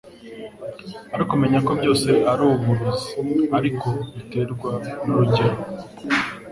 Ariko Menya ko byose ari uburozi ariko biterwa n'urugero